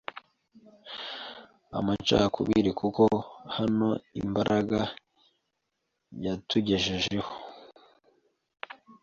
Amacakubiri kuko hano imbaga yatugejejeho